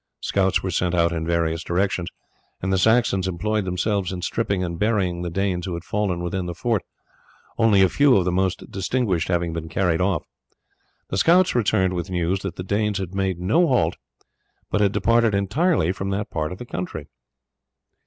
Scouts were sent out in various directions, and the Saxons employed themselves in stripping and burying the Danes who had fallen within the fort, only a few of the most distinguished having been carried off. The scouts returned with news that the Danes had made no halt, but had departed entirely from that part of the country.